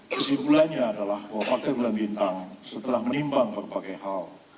kesimpulannya adalah bahwa partai bulan bintang setelah menimbang berbagai hal